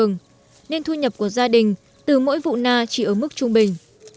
nên thu nhập của gia đình từ mỗi vụ na chỉ ở mức trung bình